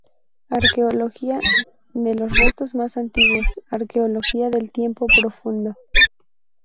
Arqueología de los restos más antiguos, arqueología del tiempo profundo.